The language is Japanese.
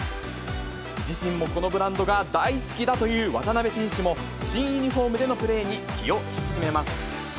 自身もこのブランドが大好きだという渡邊選手も新ユニホームでのプレーに気を引き締めます。